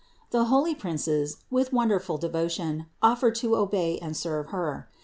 The holy princes, with wonderful devotion, offered to obey and serve Her.